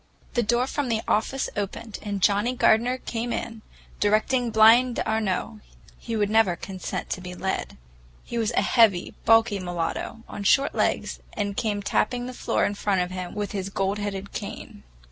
The door from the office opened, and Johnnie Gardener came in, directing Blind d'Arnault,—he would never consent to be led. He was a heavy, bulky mulatto, on short legs, and he came tapping the floor in front of him with his gold headed cane.